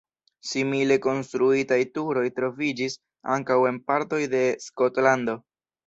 Simile konstruitaj turoj troviĝis ankaŭ en partoj de Skotlando.